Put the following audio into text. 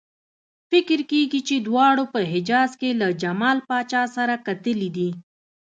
فکر کېږي چې دواړو په حجاز کې له جمال پاشا سره کتلي دي.